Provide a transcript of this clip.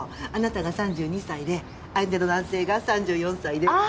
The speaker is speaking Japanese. あなたが３２歳で相手の男性が３４歳で。